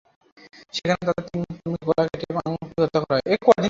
সেখানে তাঁদের তিন কর্মীকে গলা কেটে এবং আগুনে পুড়িয়ে হত্যা করা হয়।